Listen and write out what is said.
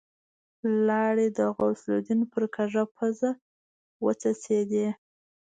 لاړې د غوث الدين پر کږه پزه وڅڅېدې.